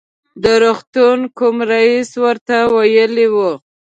د روغتون کوم رئیس ورته ویلي و.